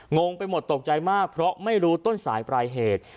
งงไปหมดตกใจมากเพราะไม่รู้ต้นสายปลายเหตุ